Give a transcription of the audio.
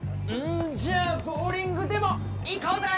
んじゃあボウリングでも行こうぜ！